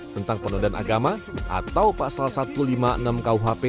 tentang penodaan agama atau pasal satu ratus lima puluh enam kuhp